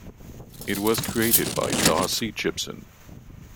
It was created by Darci Gibson.